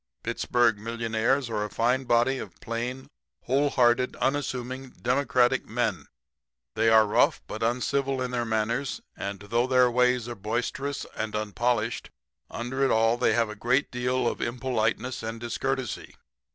Pittsburg millionaires are a fine body of plain, wholehearted, unassuming, democratic men. "'They are rough but uncivil in their manners, and though their ways are boisterous and unpolished, under it all they have a great deal of impoliteness and discourtesy.